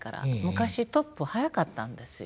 昔トップ早かったんですよ。